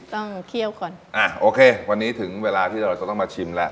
เคี่ยวก่อนอ่ะโอเควันนี้ถึงเวลาที่เราจะต้องมาชิมแล้ว